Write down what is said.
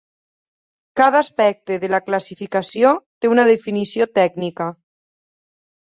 Cada aspecte de la classificació té una definició tècnica.